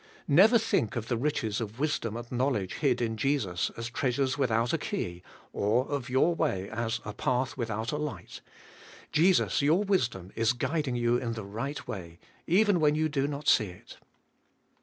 Never think of the riches of wisdom and knowledge hid in Jesus as treasures without a key, or of your way as a path without a light. Jesus your wisdom is guiding you in the right way, even when you do not see it.